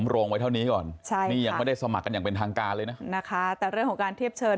โรงไว้เท่านี้ก่อนใช่นี่ยังไม่ได้สมัครกันอย่างเป็นทางการเลยนะนะคะแต่เรื่องของการเทียบเชิญ